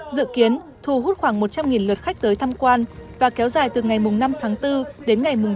dự kiến thu hút khoảng một trăm linh lượt khách tới tham quan và kéo dài từ ngày năm tháng bốn đến ngày chín tháng bốn